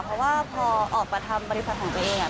เพราะว่าพอออกมาทำบริษัทของตัวเอง